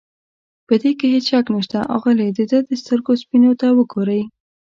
په دې کې هېڅ شک نشته، اغلې د ده د سترګو سپینو ته وګورئ.